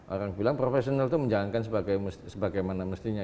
orang bilang profesional itu menjalankan sebagaimana mestinya